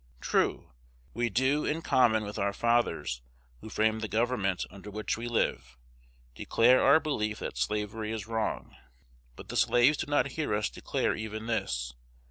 True, we do, in common with our fathers who framed the government under which we live, declare our belief that slavery is wrong; but the slaves do not hear us declare even this.